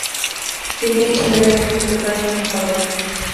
তিনিই ছিলেন এই পত্রিকার সম্পাদক।